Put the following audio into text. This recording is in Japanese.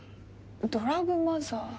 ドラァグマザー？